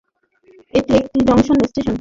এটি একটি junction station.